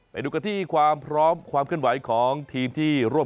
ไปดูกันที่ความพร้อมความเคลื่อนไหวของทีมที่ร่วม